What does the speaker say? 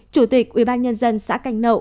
chủ tịch ubnd xã canh nậu